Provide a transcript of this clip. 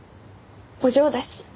お嬢だし。